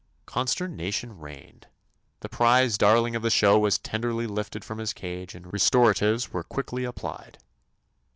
Consternation reigned. The prize darling of the show was tenderly lifted from his cage and restoratives were quickly applied.